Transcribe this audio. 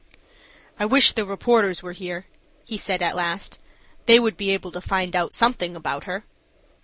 "I wish the reporters were here," he said at last. "They would be able to find out something about her."